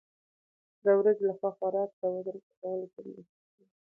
د ورځې لخوا خوراک د وزن کمولو کې مرسته کوي.